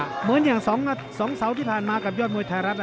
เหมือนสองเสานที่ผ่ายมากับยอดมวยไทยรัฐ